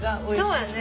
そうやね。